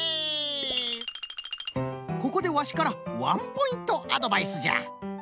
ここでワシからワンポイントアドバイスじゃ。